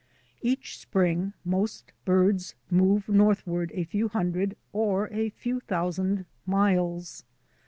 Each spring most birds move northward a few hundred or a few thousand miles.